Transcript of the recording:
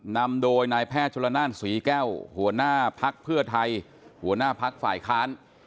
นำโดยนายแพทย์ชุลนานศรีแก้วหัวหน้าภักดิ์เพื่อไทยหัวหน้าพักฝ่ายค้าน